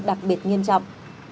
đặc biệt nghiêm trọng